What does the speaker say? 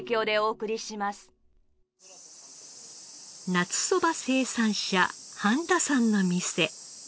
夏そば生産者半田さんの店。